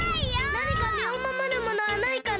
なにかみをまもるものはないかな？